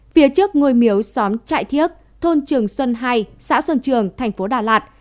phía trước ngôi miếu xóm trại thiếc thôn trường xuân hai xã xuân trường tp đà lạt